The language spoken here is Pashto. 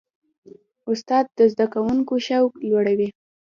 استاد د زده کوونکي شوق لوړوي.